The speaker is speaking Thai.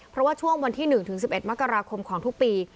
เพราะว่าช่วงวันที่๑๑๑มกราคมของทุกปี